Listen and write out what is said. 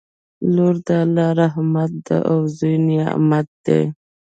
لور د الله رحمت دی او زوی نعمت دی